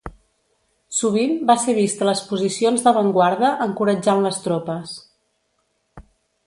Sovint va ser vist a les posicions d'avantguarda encoratjant les tropes.